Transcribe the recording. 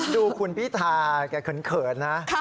ดูคุณพี่ทาแกเขินเขินนะ